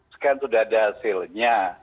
sekarang sudah ada hasilnya